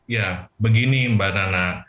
ya begini mbak nana